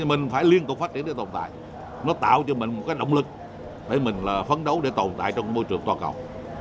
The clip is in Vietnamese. mình phải liên tục phát triển để tồn tại nó tạo cho mình một cái động lực để mình là phấn đấu để tồn tại trong môi trường toàn cầu